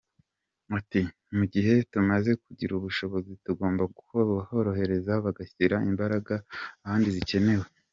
Ati :”mu gihe tumaze kugira ubushobozi tugomba kuborohereza bagashyira imbaraga ahandi zikenewe”.